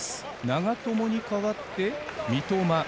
長友に代わって、三笘。